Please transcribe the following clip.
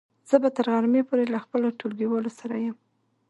زه به تر غرمې پورې له خپلو ټولګیوالو سره يم.